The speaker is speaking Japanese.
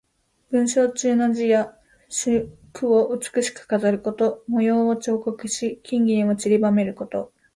文章中の字や句を美しく飾ること。模様を彫刻し、金銀をちりばめること。